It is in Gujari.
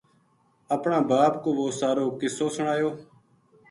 اپنا باپ کو وہ سارو قصو سنایو